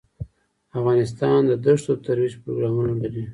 افغانستان د دښتو د ترویج پروګرامونه لري.